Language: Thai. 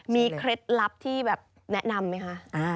มีเคล็ดลับที่แบบแนะนำไหมคะ